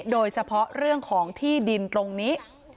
โดยเฉพาะเรื่องของที่ดินตรงนี้